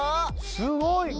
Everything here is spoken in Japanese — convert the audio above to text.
すごい！